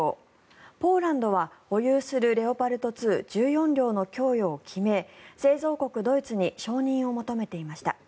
ポーランドは保有するレオパルト２、１４両の供与を決め製造国ドイツに承認を求めていました。